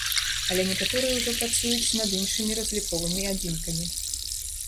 Але некаторыя ўжо працуюць над іншымі разліковымі адзінкамі.